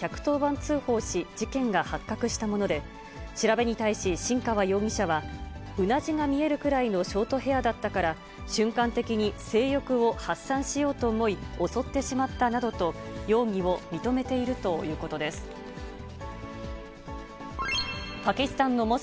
通報し、事件が発覚したもので、調べに対し新川容疑者は、うなじが見えるくらいのショートヘアだったから、瞬間的に性欲を発散しようと思い、襲ってしまったなどと容疑を認めているということです。